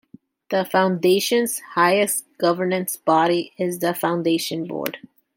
The foundation's highest governance body is the foundation board.